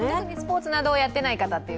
特にスポーツなどをやっていない方？